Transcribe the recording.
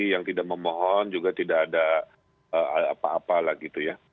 yang tidak memohon juga tidak ada apa apa lah gitu ya